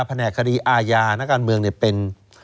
แผนกฎีอาหยานการเมืองเป็น